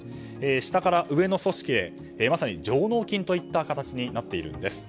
下から上の組織へまさに上納金といった形になっているんです。